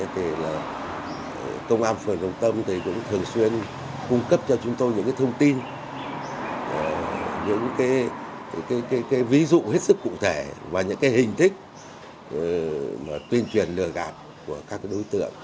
thường xuyên cung cấp cho chúng tôi những thông tin những ví dụ hết sức cụ thể và những hình thức tuyên truyền lừa gạt của các đối tượng